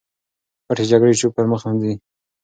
پټې جګړې چوپ پر مخ ځي.